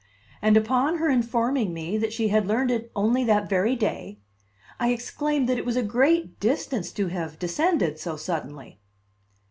And upon her informing me that she had learned it only that very day, I exclaimed that it was a great distance to have descended so suddenly.